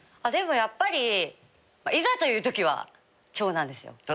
でもやっぱりいざというときは長男ですよ。